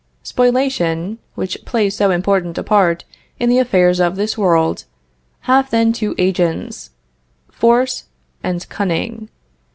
Spoliation, which plays so important a part in the affairs of this world, has then two agents; Force and Cunning.